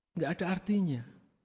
enggak ada artinya